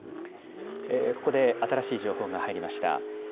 ここで新しい情報が入りました。